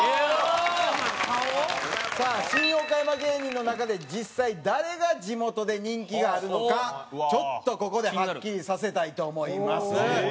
さあシン・オカヤマ芸人の中で実際誰が地元で人気があるのかちょっとここではっきりさせたいと思います。